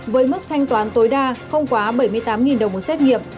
với mức thanh toán tối đa không quá bảy mươi tám đồng một xét nghiệm